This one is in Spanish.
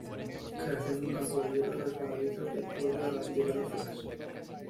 Creación de un campo de hielo resbaladizo que puede ralentizar a Flash.